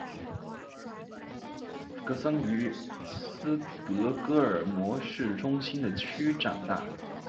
弗格森于斯德哥尔摩市中心的区长大。